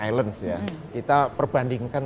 islands ya kita perbandingkan